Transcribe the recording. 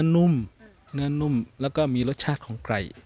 นุ่มเนื้อนุ่มแล้วก็มีรสชาติของไก่